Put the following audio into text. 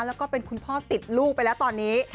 แล้วก็เป็นคุณพ่อติดลูกไปแล้วตอนนี้